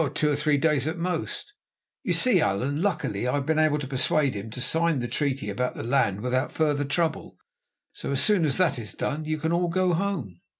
"Oh! two or three days at most. You see, Allan, luckily I have been able to persuade him to sign the treaty about the land without further trouble. So as soon as that is done, you can all go home."